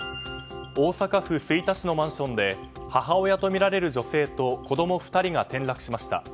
大阪府吹田市のマンションで母親とみられる女性と子供２人が転落しました。